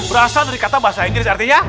berasal dari kata bahasa inggris artinya